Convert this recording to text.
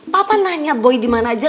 papa nanya boy dimana aja